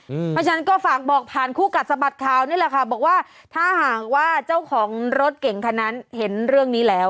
เพราะฉะนั้นก็ฝากบอกผ่านคู่กัดสะบัดข่าวนี่แหละค่ะบอกว่าถ้าหากว่าเจ้าของรถเก่งคันนั้นเห็นเรื่องนี้แล้ว